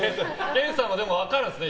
研さんも分かるんですね